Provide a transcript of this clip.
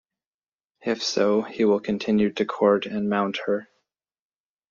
If so, he will continue to court and mount her.